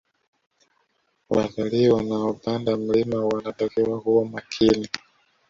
Watalii wanaopanda mlima wanatakiwa kuwa makini